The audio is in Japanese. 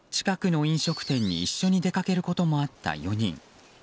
近くの飲食店に一緒に出掛けることもあった４人。